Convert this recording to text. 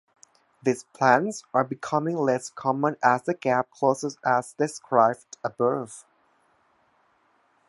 These plans are becoming less common as the gap closes as described above.